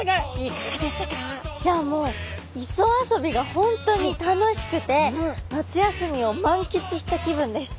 いやもう磯遊びが本当に楽しくて夏休みを満喫した気分です。